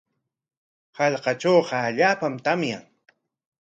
Hallqatrawqa allaapam tamyan.